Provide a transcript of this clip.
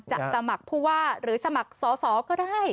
สมัครผู้ว่าหรือสมัครสอสอก็ได้